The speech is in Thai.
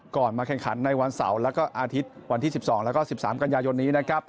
ก่อนมาแข่งขันในวันเสาร์และอาทิตย์วันที่๑๒และ๑๓กันยายนนี้